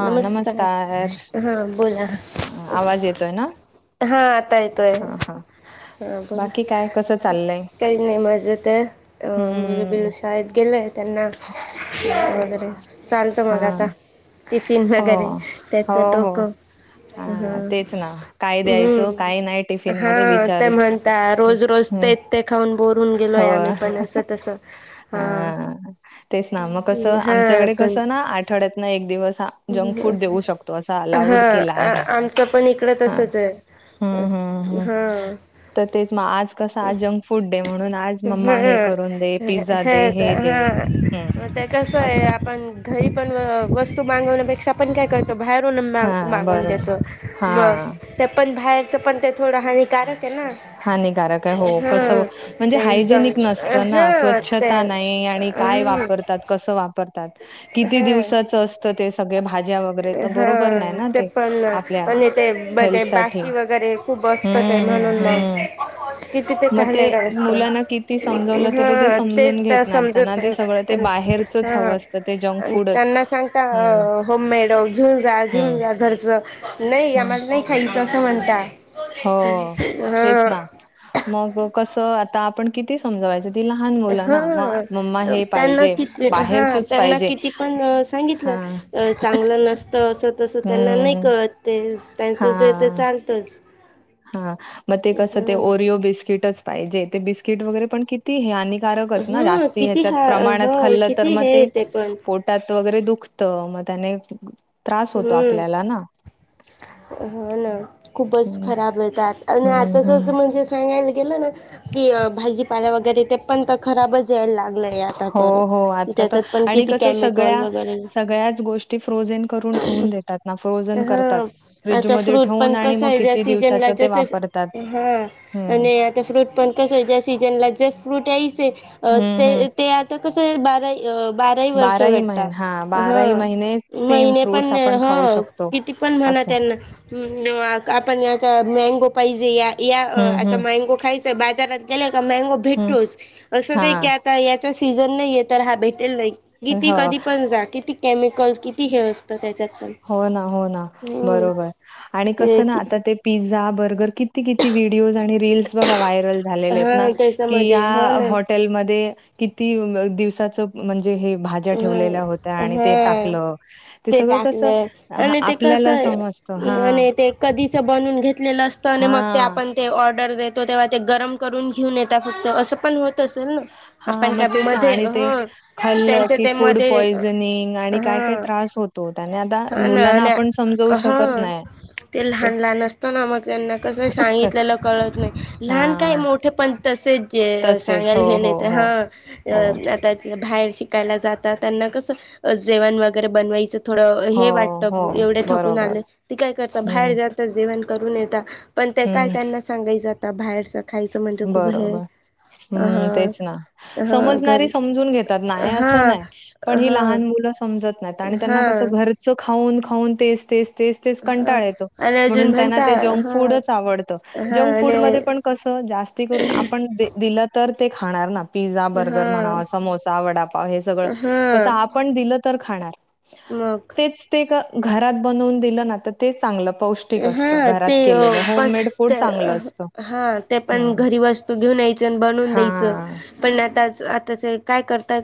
नमस्कार! हा बोला. हां, आवाज येतोय हा आता येतोय. हा. हां बोला, काही नाही मजेता आहे, अ मुलं बिल हम्म. शा शाळेत गेले त्यांना [unintelligible] वगैरे चालतं मग आता हां. टिफिन हो. वगैरे त्याचं हो, हो. डोकं हा हां, तेच ना. काय द्यायचं, काय नाही हम्म हा टिफिनमध्ये ते विचारच. म्हणता रोज रोज हं, ते ते खाऊन बोरं होऊन गेलोय आम्ही पण अस तसं अ हा तेच ना मग कसं हा आमच्याकडे पण कसं ना आठवड्यातन एक दिवस हा जंक फूड देऊ शकतो असा हा अलाउड केला आहे. आमचं पण इकडं हां. तसच आहे. हं, हं, हं. हा. तर तेच म आज कसं आज जंकफूड डे म्हणून आज हं मम्मा हे करून दे. पि हेच हा मग ते कसं आहे असं आपण घरी पण वस्तू मागवण्यापेक्षा पण काय कर तो बाहेरून मा हां मागून बरोबर. देतो म हां, ते पण बाहेरचं पण ते थोडं हानिकारक आहे ना हानिकारक आहे हो कसं हं म्हणजे ते हायजेनिक जंक नसतं ना हं ते स्वच्छता नाही आणि काय हं वापरतात? कसं वापरतात? किती हं दिवसाचं आस तं ते सगळे भाज्या वगैरे तं बरोबर नाही हं ना ते पण आपल्या आणि ते ते हेल्थसाठी. बाशी वगैरे खूप असत ते हम्म, म्हणून मग हम्म. किती मग ते कॅनडा असते मुलांना किती समजवलं तरी ते हा समजून घेत तर नाही त्यांना समजत ते सगळं ते बाहेर चंच हावं असतं ते जंकफूडच. होम मेड घेऊन जा घेऊन हम्म, जा घरचं नाही हम्म. आम्हाला नाही खायचं आसं म्हणता. हो, तेच हा ना. मग कसं आता आपण किती समजवायचं ती लहान मुलं हा ना, मग मम्मा हे त्यांना पाहिजे, किती हा बाहेरचंच त्यांना पाहिजे. किती पण सांगितलं हां, अ चांगलं नसतं असं तस त्यांना नाही हं, कळत ते, त्यांचं जे ते चालतच. हा म ते कस ते ओरिओ बिस्किटच पाहिजे. ते बिस्किट वगैरे पण कि ती हानिकारकच ना हा जास्ती किती ह्याच्यात हा हो प्रमाणात खाल्लं तर किती मग ते हे पण पोट टात वगैरे दुखत मग त्याने त्रास होतो हम्म आपल्याला ना. हो ना खूपच हं, खराब येत्यात आणि हं, आताच हं. असं म्हणजे सांगायला गेलं ना की भाजीपाला वगैरे ते पण तं खराबच यायला लागलंय. आता हो तर हो आता तर त्याच्यात पण आणि किती कसं केमिकल सगळ्या वगैरे सगळ्याच गो ष्टी फ्रॉजेन करून ठेऊन देतात ना फ्रॉजन हा करता आता फ्रीझमध्ये फ्रूट ठेऊन पण आणि कसं म आहे ज्या किती दिवसाच सीजनला ते जसे वापर हा आणि आता फ्रूट पण कसं ज्या सीजनला जे फ्रूट यायचे हं, हं. ते ते आता कसं बारा बाराही वर्ष भेटता महिने हां महिने सेम महिने पण फ्रुट्स आपण खाऊ हां शकतो किती पण म्हणा असं. त्यांना हम्म, आपण आता मँगो पाहिजे या या हं, आता हं, मँगो खायच आहे बाजारात गेले का मँगो हं. भेटतोच असं नाही की हां, आ ता याचा सीझन नाहीये तर हा भेटेल नाही, किती हो. कधी पण जा किती केमिकल किती हे असतं त्याच्यात? पण हो ना हो ना हम्म बरोबर आणि ते कसं ना की आता ते पिझ्झा, बर्गर किती किती व्हिडिओज आणि रील्स बघा व्हायरल झालेलेत ना हा कि, या त्याच्यामध्ये हा ना हॉटेल मध्ये किती दिवसाचं, म्हणजे हे भाज्या ठेवलेल्या होत्या, ह आणि हा ते टाकलं ते सगळं कसं. हां, आणि ते कस आपल्याला समजतं. हां, आणि ते कधीच बनून घेतलेलं असतं, आणि मग ते हां, आपण. ऑर्डर देतो तेव्हा ते गरम करून घेऊन येतात, फक्त असं पण होत. असेन हां. आपण मग काय तेच ना मध्ये, आणि ते हं... खाल्लं त्यांचे की फूड मते पॉइझनिंग आणि हा, काय-काय त्रास होतो. त्याने आता हा ना मुलांना आणि आपण समजवू शकत हा.. नाही. ते लहान लहान असत ना, मग त्यांना कसं सांगितलेलं कळत नाही. लहान हां. काय मो ठे पण तसेच जे तसेच हो सांगायला गेले हो तर हो हा, हो आता बाहेर शिकायला जातात त्यांना, कसं जेवण वगैरे बनवायचं. थोडं हो हे वाटत हो एवढे थकून बरोबर आले, ती काय करता बाहेर हम्म जात जेवण करून येेता. पण ते काय हम्म त्यांना सांगायचं आता, बाहेरच खायचं म्हणजे खूप हे, बरोबर हा हम्म, तेच ना हा घर समजणारी समजून घेतात. नाही हा असं नाय. पण ही हा लहान मुलं समजत नाहीत, आणि त्यांना कसं हा घरचं खाऊन खाऊन तेच तेच तेच. तेच हा कंटाळ येतो, आणि अजून म्हणून त्यांना म्हणता ते जंक हा फूडच आवडत. हा जंक आणि फूडमध्ये पण कसं जास्ती करून, आपण दिलं तर ते खाणार ना. पिझ्झा हा बर्गर म्हणा, समोसा वडापाव हे सगळं कसं, हा आपण दिलं तर खाणार. मग. तेच ते क- घरात बनवून दिलं, ना तर तेच चांगलं पौष्टिक असतं, हा ते घरात केलेलं पण होममेड ते फूड चांगलं असतं. हा ते पण हं, घरी वस्तू घेऊन यायच, आणि बनवून द्यायचं. हां. पण आताच आता काय करताय,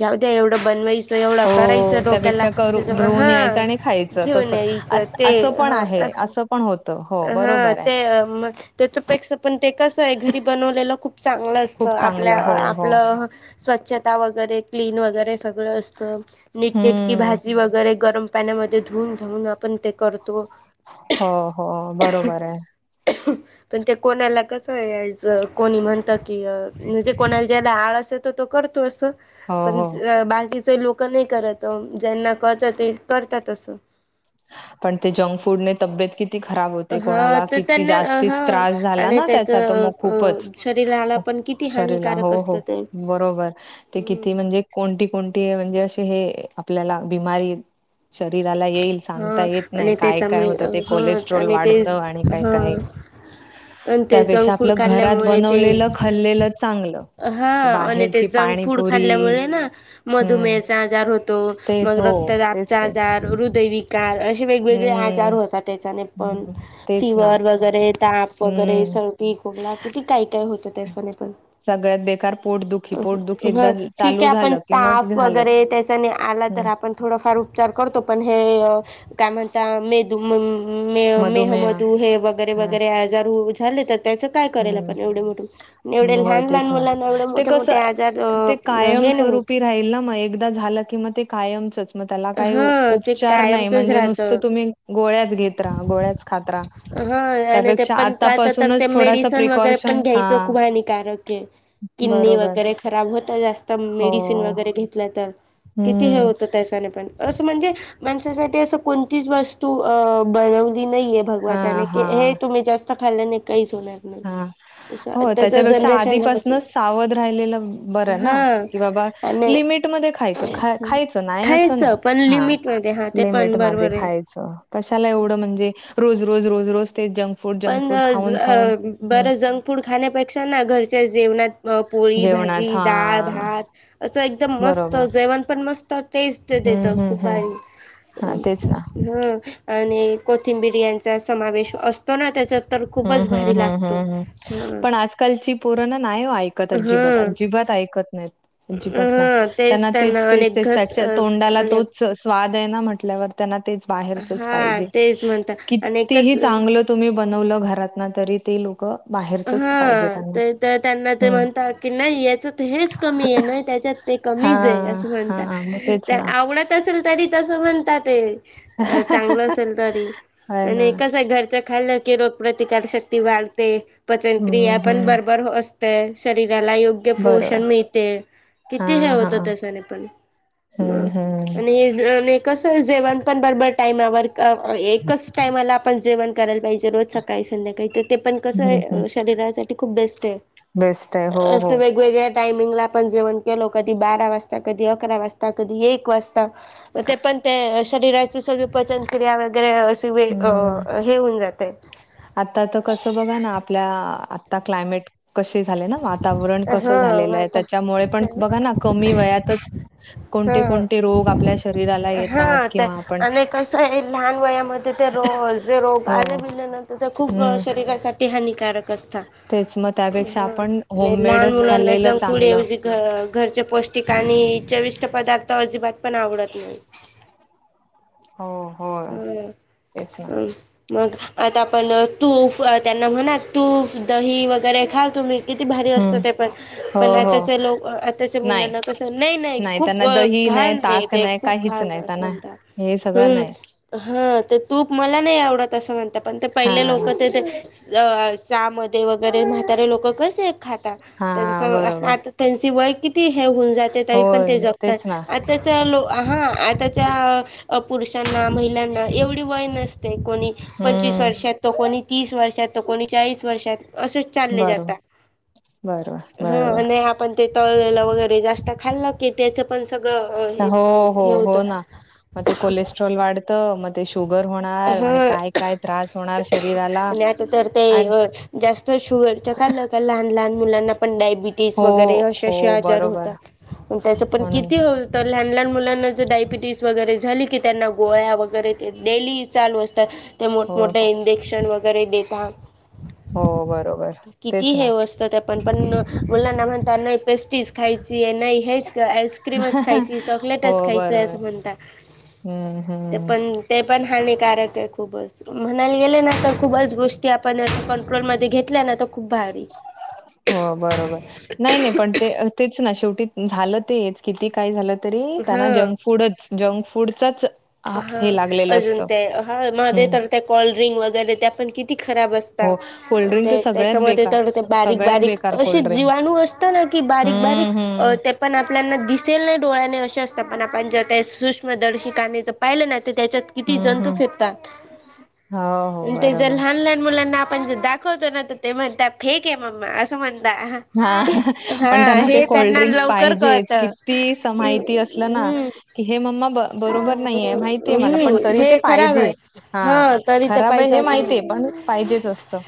जाऊ द्या एवढं बनवायाचं. एवढं करायचं, हो, डोक्याला त्यापेक्षा करू त्याच्या घेऊन यायचं हां. आणि खायचं घेऊन तसं. आत यायचं ते असं पण हा आहे, असं. होतं. हो, हा, बरोबर आहे. ते मग तेच्यापेक्षा पण ते कसाय, घरी बनवलेलं खूप चांगलं असतं. खूप चांगलं. आपल्या हो, हो. आपलं स्वच्छता वगैरे क्लीन वगैरे सगळं असतं. नीटनेटक. की, हं. भाजी वगैरे गरम पाण्यामध्ये धुवून धुऊून आपण ते करतो. हो हो, बरोबर ये. [unintelligible] पण ते कोणाला कसंच यायचं, कोणी म्हणतं की, म्हणजे कोणाला ज्याला आळस येतो. तो करतो असं. हो, पण हो. बाकीचे लोक नाही करत, ज्यांना कळतं ते करतात असं. पण ते जंक फूडने तब्येत किती? खराब होते. हा कोणाला तर किती त्यांना अ, जास्तीच हा त्रास झाला आणि ना, त्याच त्यांचा तर मग अ खूपच. शरीराला पण किती शरीराला हो हानिकारक असतं हो, ते बरोबर. ते हम्म किती म्हणजे, कोणती कोणती म्हणजे, असे हे आपल्याला बिमारी येईल. शरीराला येईल. सांगता हा येत नाही. आणि काय काय त्याच्यामुळे होतं ते हा कोलेस्ट्रॉल आणि ते वाढतं, आणि काय हा काय. आणि ते त्यापेक्षा जंक फूड आपलं घरात खाल्ल्यामुळे ते बनवलेलं खाल्लेलं चांगलं. हा, ते आणि ते बाहेरची जंक फूड पाणीपुरी खाल्ल्यामुळे ना हम्म मधुमेहचा आजार होत तो, तेच मग हो तेच रक्तदाबचा ते आजार हृदयविका अशी वेगवेगळी हम्म आजार होतात. त्याच्याने पण, हम्म. तेच ना फिवर वगैरे ताप वगैरे हम्म सर्दी खोकला, किती काय काय होतं. त्यांच्याने पण, सगळ्यांत बेकार, पोटदुखी पोटदुखी एकदा हं, ठीक चालू आहे आपण झालं कि मग ताफ झालंच. वगैरे, त्याच्याने आला तर हम्म आपण. थोडाफार उपचार करतो. पण हे काय म्हणता मेंदू म्हण, मधुमेह मेहमदू हे वगैरे हा वगैरे आजार झाले. तर त्याचं, काय करेल हम्म आपण, एवढे मोठ होवून, एवढे होय लहान. लहान तेच ना मुलांना एवढे ते मोठे मोठे आजार, हे नाही होतं. राहिलं मग, एकदा झालं की मग ते कायमचंच. मग त्याला काही हा ते उपचार नाही कायमचच म्हणजे नुसतं राहतं तुम्ही गोळ्याच घेत राहा गोळ्या हा नाय, नाय, ते पण काय तर आतापासूनच ते थोडासा मेडिसन वगैरे प्रिकॉशन पण हा घ्यायचं खूप हानिकारक आहे. किडनी बरोबर वगैरे खराब होत जास्त हो मेडिसिन वगैरे घेतलं तर. किती हे हम्म होतं त्यासाने अस म्हणजे माणसासाठी अस कोणतीच वस्तू बनवली नाहीे. हा भगवताने हा हे तुम्ही जास्त खाल्ल्याने काहीच होणार नाही. हा हो त्याच त्याच्यापेक्षा जनरेशनला म्हणजे आधीपासूनच सावध राहिलेलं बरं ना, हा की बाबा आणि लिमिटमध्ये खायच, खायच नाही अस खायचं नाय, पण हा लिमिटमध्ये हा ते लिमिट पण मध्ये बरोबर आहे. खायचं. कशाला एवढं म्हणजे रोज, रोज, रोज, रोज, ते जंक फूड, जंक पण फूड, अ, ज खाऊन, अ खाऊन बरं जंक फूड खाण्यापेक्षा ना घरच्या जेवणात अ पोळी, जेवणात भाजी, डाळ हां, -भात असं एकदम मस्त बरोबर. जेवण पण मस्त टेस्ट देतो हं, हं, खूप हं. भारी हां, तेच ना. ह आणि कोथिंबिर्याचा समावेश असतो ना त्याच तर हं, खूपच भारी लागतो. कलची पूर्ण नाही हो ऐकत अजिबात हं अजिबात ऐकत नाहीत. अजिबात नाय हं त्यांना तेच तेच अनेक तेच घर त्याच्या अ, तोंडाला अनेक तोच स्वाद आहे ना म्हटल्यावर त्यांना तेच बाहेरचच हा पाहिजे तेच म्हणता आणि कितीही कसं चांगलं तुम्ही बनवलं घरात ना तरी ते लोक हा ते तर त्यांना ते हं. म्हणतात की, नाही याच हेच कमी आहे ना त्याच्यात ते कमीच आहे हां, असं म्हणतात हां. मग ते तेच ना. आवडत असेल तरी तसं म्हणता ते. अ चांगलं असेल तरी आहे ना. आणि कस घरच्या खाल्लं की र प्रतिकारशक्ती वाढते पचनक्रिया हं, पण हं. बरोबर असते. शरीराला योग्य पोषण बरोबर. मिळते किती हे हां, होतं हां. त्याच्याने पण हं, ह हं. आणि [unintelligible] कस जेवण पण बरोबर टाईमावर एकच टाइमाला आपण जेवण करायला पाहिजे. ज रोज सकाळी संध्याकाळी, ते पण कसं हं, आहे हं. शरीरासाठी खूप बेस्ट. बेस्ट आहे. हो, हो. वेगवेगळ्या टाइमिंगला आपण जेवण केलो, कधी बारा वाजता, कधी अकरा वाजता, कधी एक वाजता. ते पण ते शरीराची सगळी पचन क्रिया वगैरे वे हं. हे होऊन जाते. आता तर कसं बघा ना आपल्या आता क्लायमेट कसे झाले ना वातावरण कसं हा झालेलं आहे आता त्याच्यामुळे पण बघा ना कमी वयातच कोणते हा कोणते रोग आपल्या शरीराला येतात हा ते किंवा आपण तेथे रोज जे रोग हो आले बिले ना तर ते खूप हम्म शरीरासाठी हानिकारक कस्ता तेच मग त्यापेक्षा हा, आपण नाय लहान होममेडच मुलांना खाल्लेलं जंक फूड चांगलं. ऐवजी घरचे पौष्टिक आणि चविष्ट पदार्थ अजिबात पण आवडत नाही. हो, हो- हम, तेच ना. हम. मग आता आपण तूप त्यांना म्हणा तूफ दही वगैरे खा तुम् किती भारी असतं हम्म ते पण हो पण हो आताचे लोक, आत्ताच्या नाही मुलांना कसं नाही नाही खूप त्यांना दही घाण नाही ताक ते खूप काहीच घाण नाही असं त्यांना म्हणत. हे सगळं हम्- नाही हा ते तूप मला नाही आवडत असं म्हणत, पण ते हा पहिले लोक ते ते अ रसा वगैरे म्हातारे लोक कसे खातात, हा त्यांच बरोबर आता- त्यांची वय किती हे होऊन जाते, हो तरी पण ते जगतात. तेच ना आताच्या लो हा आताच्या पुरुषांना महि एवढी वय नसते को प स हम्म वर्षात, त कोणी तीस वर्षात, त कोणी चाळीस वर्षात, असं चाले जाता, बरोबर बरोबर बरोबर आपण ते तळलेलं वगैरे जास्त खाल् की त्याचं पण, सगळं हे हो, हे होत. कॅस्ट्रॉल वाढत. मग ते शुगर होणार. आणि हा काय काय त्रास होणार शरीरा आणि आता तर ते जास्त शुगरच खालं का? लहान लहान मुलांना पण डाय बीटस हो, वगैरे असे हो असे आजार होता. बरोबर पण त्याच पण म्हणून किती तर लहान लहान मुलांना जर डायबिटीस वगैरे झाली, की त्यांना गोळ्या वगैरे ते डेली चालू असतात. ते हो, हो, मोठमोठे इंजेक्शन वगैरे देतात. हो बरोबर. किती तेच हे ना. असतं ते पण पण मुलाना म्हनता नाही पेस्टीज खायची नाही हेच आईस्क्रीमच खायचीय, हो चॉकलेटच खायचंय. बरोबर. असं म्हणता. हम्म, ते हम्म. पण ते पण हानिकारके खूपच. म्हणायला गेले ना तर खूपच गोष्टी आपण कंट्रोलमध्ये घेतल्या ना. तर खूप भारी. हो बरोबर. नाही नाही पण ते तेच ना. शेवटी झालं तेच. किती काही झालं तरी, त्यांना हा जंक फूडच, जंक फूडचाच आ हा हे लागलेलं अजून असतं. ते, हा मध्ये हम्म, तर त्या कोल्ड्रिंक वगैरे, ते पण किती खराब असता हो कोल्ड्रिंक तर ते. सगळ्यात त्याच्यामध्ये बेकार, तर ते स- बारीक सगळ्यात बारीक बेकार असे कोल्ड्रिंक. जीवाणू अस की, बारीक बारीक हम्म, अ हम्म, ते पण आपल्याना दिसेल नाही डोळ्याना असे असता. पण आपण ज त्या सूक्ष्मदर्शिकाने ज पाहिलं ना, त त्याच्यात. किती हम्म, जंतू हम्म. फिरतात. हो, हो, ते ज बरोबर. लहान लहान मुलांना आपण ज द दाखवतो ना. त ते म्हणता फेके मम्मा. असं म्हणता. हा हा पण त्यांना ते हे त्यांना कोल्डड्रिंक्स लवकर पाहिजेत. कळत किती स माहिती असलं ना. हम्म कि हे मम्मा ब बरोबर नाहीये माहितीय मला. पण हम्म तरी ते हे खराब पाहिजे. आहे हा तरी ते खराबे पाहिजे हे माहितीय असं पण पाहिजेच असतं.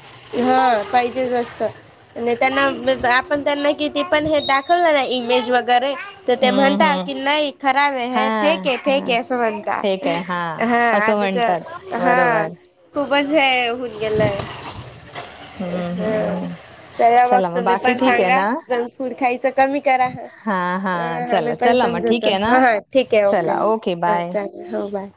हा पाहिजेच अस्त. आणि त्यांना, आपण त्यांना किती पण हे दाखवलं ना. इमेज वगैरे तर ते हं, म्हणता हं. की नाही खराबे हे फेक. हां, फेके हां, कस म्हता. फेक आहे. हां, हा असं आता म्हणतात. त हा. बरोबर. खूपच हे होउन गेलंय. हम्म ह हम्म. चला मग तुम्ही पण सांगा. जंक फूड खायचं कमी करा. ह हां, हां. हा आमी चला, पण चला मग ठीक समजवतो. आहे ना? हा ठीके, ओके चला, हा बाय. चालेल. हो बाय.